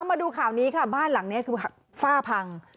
มาดูข่าวนี้ค่ะบ้านหลังนี้คือฝ้าพัง